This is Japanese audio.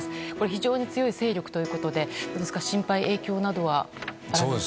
非常に強い勢力ということで心配、影響などは。